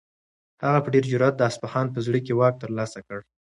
هغه په ډېر جرئت د اصفهان په زړه کې واک ترلاسه کړ.